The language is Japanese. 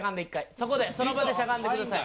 そこでその場でしゃがんでください。